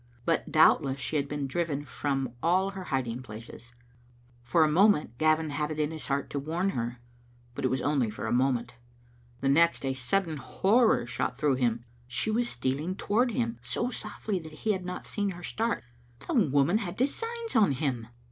But doubtless she had been driven from all her hiding places. For a moment Gavin had it in his heart to warn her. But it was only for a moment. The next a sudden horror shot through him. She was stealing toward him, so softly that he had not seen her start. The woman had designs on him!